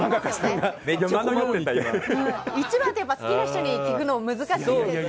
一番といえば好きな人に聞くのも難しいですよね。